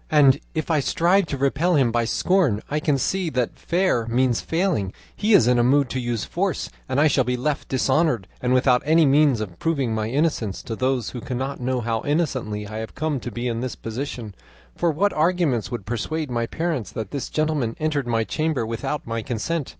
And if I strive to repel him by scorn, I can see that, fair means failing, he is in a mood to use force, and I shall be left dishonoured and without any means of proving my innocence to those who cannot know how innocently I have come to be in this position; for what arguments would persuade my parents that this gentleman entered my chamber without my consent?